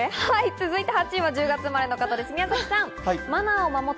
続いて８位は１０月生まれの方、宮崎さん。